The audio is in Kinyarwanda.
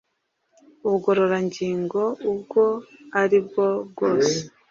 Ubugororangingo ubwo ari bwo bwose